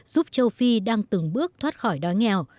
giúp châu phi đang từng bước thoát khỏi đói nghèo